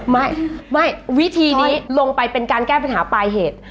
ไม่ไม่วิธีนี้ลงไปเป็นการแก้ปัญหาปลายเหตุ